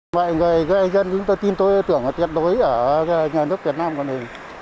mọi người gây dân chúng tôi tin tôi tưởng là tuyệt đối ở nhà nước việt nam của mình